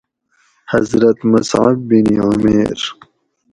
حضرت مصعب بِن عمیر